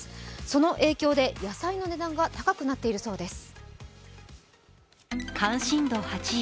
その影響で野菜の値段が高くなっているそうです。